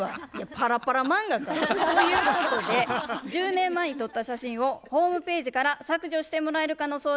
パラパラ漫画か。ということで１０年前に撮った写真をホームページから削除してもらえるかの相談でやってまいりました。